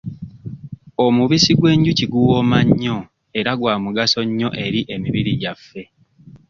Omubisi gw'enjuki guwooma nnyo era gwa mugaso nnyo eri emibiri gyaffe.